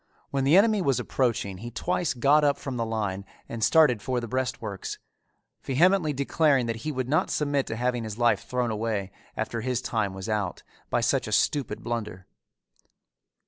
When the enemy was approaching he twice got up from the line and started for the breastworks, vehemently declaring that he would not submit to having his life thrown away, after his time was out, by such a stupid blunder.